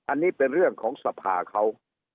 อันนี้เป็นเรื่องของสภาเขา